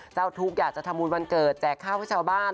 เจ้าทุกข์อยากจะทำบุญวันเกิดแจกข้าวให้ชาวบ้าน